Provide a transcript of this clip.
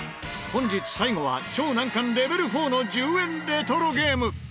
本日最後は超難関レベル４の１０円レトロゲーム。